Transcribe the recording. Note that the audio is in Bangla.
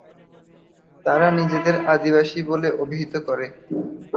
তাঁরা নিজেদের আদিবাসী বলে অভিহিত করে।